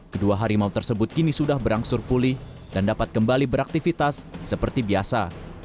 kedua harimau tersebut kini sudah berangsur pulih dan dapat kembali beraktivitas seperti biasa